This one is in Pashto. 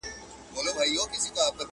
هم ملگری یې قاضي وو هم کوټوال وو،